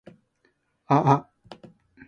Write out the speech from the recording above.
ああ